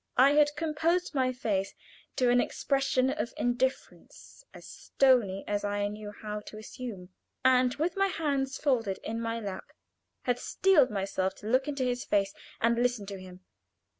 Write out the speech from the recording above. I had composed my face to an expression of indifference as stony as I knew how to assume, and with my hands folded in my lap, had steeled myself to look into his face and listen to him.